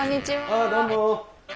ああどうも。